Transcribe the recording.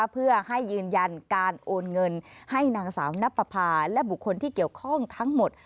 เพื่อให้ยืนยันการโอนเงินให้นางสาวนับประพาและบุคคลที่เกี่ยวข้องทั้งหมด